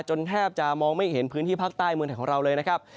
แทบจะมองไม่เห็นพื้นที่ภาคใต้เมืองไทยของเราเลยนะครับ